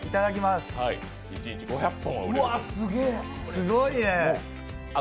すごいね。